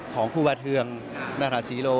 ของครูบาเทืองนาราศรีโล